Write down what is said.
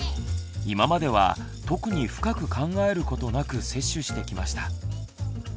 今までは特に深く考えることなく接種してきました。